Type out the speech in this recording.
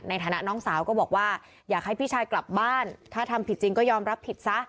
ในฐานะน้องสาวก็บอกว่าอยากให้พี่ชายกลับบ้านถ้าทำผิดจริงก็ยอมรับผิดซะ